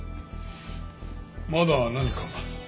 まだ何か？